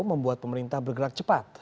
membuat pemerintah bergerak cepat